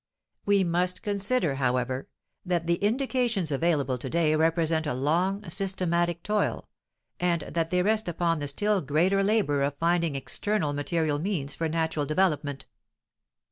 We must consider, however, that the indications available to day represent a long, systematic toil, and that they rest upon the still greater labor of finding external material means for natural development.